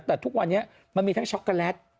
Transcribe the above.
แต่ทุกวันนี้มันมีทั้งช็อกโกแลต